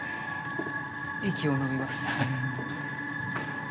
息をのみます。